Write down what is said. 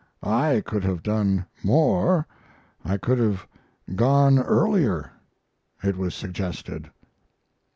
I could have done more I could have gone earlier it was suggested.